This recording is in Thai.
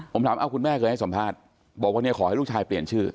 ผมถามเอาคุณแม่เคยให้สัมภาษณ์บอกว่าเนี่ยขอให้ลูกชายเปลี่ยนชื่อ